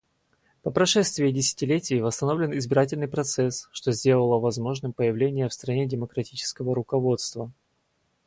По прошествии десятилетий восстановлен избирательный процесс, что сделало возможным появление в стране демократического руководства.